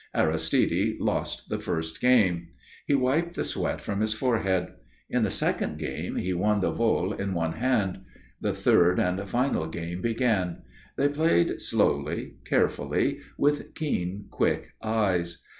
Aristide lost the first game. He wiped the sweat from his forehead. In the second game, he won the vole in one hand. The third and final game began. They played slowly, carefully, with keen quick eyes.